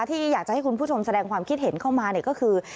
ที่อยากจะให้คุณผู้ชมแสดงความคิดเห็นเข้ามาก็คือ